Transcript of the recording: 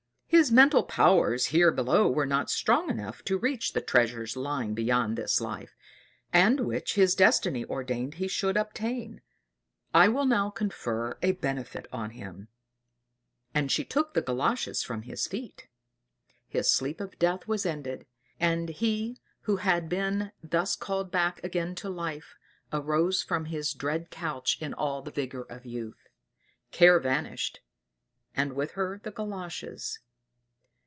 His mental powers here below were not strong enough to reach the treasures lying beyond this life, and which his destiny ordained he should obtain. I will now confer a benefit on him." And she took the Galoshes from his feet; his sleep of death was ended; and he who had been thus called back again to life arose from his dread couch in all the vigor of youth. Care vanished, and with her the Galoshes.